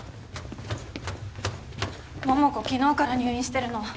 桃子昨日から入院してるの。